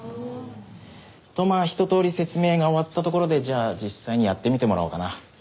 とまあ一通り説明が終わったところでじゃあ実際にやってみてもらおうかな。